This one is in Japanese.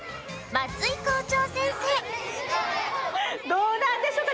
どうなんでしょうか？